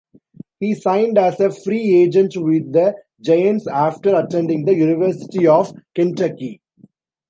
He signed as a free-agent with the Giants after attending the University of Kentucky.